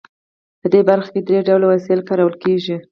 په دې برخه کې درې ډوله وسایل کارول کیږي.